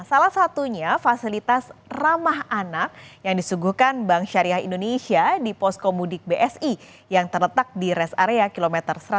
salah satunya fasilitas ramah anak yang disuguhkan bank syariah indonesia di poskomudik bsi yang terletak di res area kilometer satu ratus enam puluh